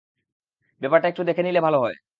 ব্যাপারটা একটু দেখে নিলে ভালো হয়।